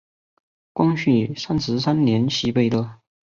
光绪三十三年袭贝勒。